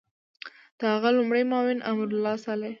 د هغه لومړی معاون امرالله صالح